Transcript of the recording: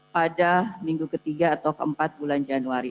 pada minggu ketiga atau keempat bulan januari